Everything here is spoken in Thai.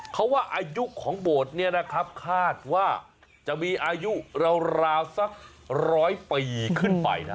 เขาว่าอายุของโบสถ์นี้นะครับคาดว่าจะมีอายุราวสักร้อยปีขึ้นไปนะ